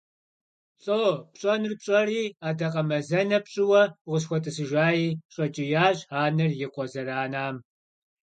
ЛӀо, пщӀэнур пщӀэри, адакъэмазэнэ пщӀыуэ укъысхуэтӀысыжаи, – щӀэкӀиящ анэр и къуэ зэранам.